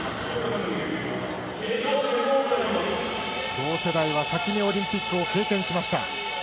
同世代は先にオリンピックを経験しました。